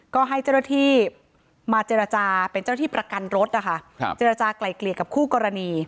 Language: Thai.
ก็ให้เจราที่มาเจราจาเป็นเจราที่ประกันรถเจราจากลายเกลียดกับคู่กรณี